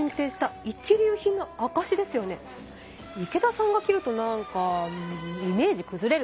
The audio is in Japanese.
池田さんが着ると何かイメージ崩れるな。